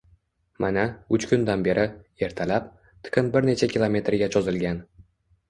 Mana, uch kundan beri, ertalab, tiqin bir necha kilometrga cho'zilgan